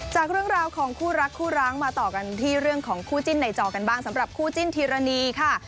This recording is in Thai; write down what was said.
จากเรื่องราวของคู่รักคู่ร้างมาต่อกันที่เรื่องของคู่จิ้นในจอกันบ้างสำหรับคู่จิ้นธีรณีค่ะ